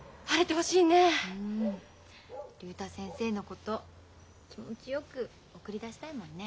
竜太先生のこと気持ちよく送り出したいもんね。